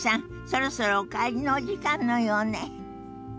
そろそろお帰りのお時間のようね。